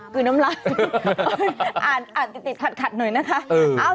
คือน้ำลายอ่านติดขัดหน่อยนะคะ